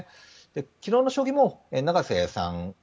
昨日の将棋も永瀬さん